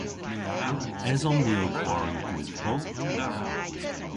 Eson ni ow kwari gwydhbol?